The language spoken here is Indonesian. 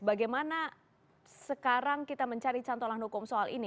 bagaimana sekarang kita mencari cantolan hukum soal ini